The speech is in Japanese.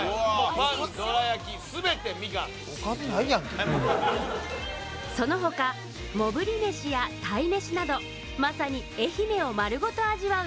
パンどら焼き全てみかんおかずないやんけその他や鯛めしなどまさに愛媛を丸ごと味わう